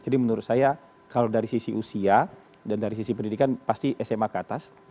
jadi menurut saya kalau dari sisi usia dan dari sisi pendidikan pasti sma ke atas